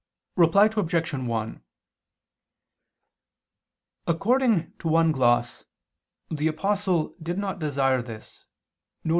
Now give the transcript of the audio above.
Reply Obj. 1: According to one gloss, the Apostle did not desire this, viz.